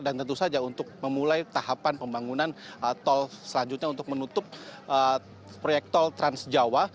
dan tentu saja untuk memulai tahapan pembangunan tol selanjutnya untuk menutup proyek tol trans jawa